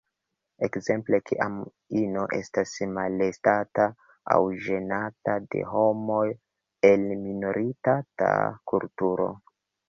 Ekzemple kiam ino estas molestata aŭ ĝenata de homo el minoritata kulturo.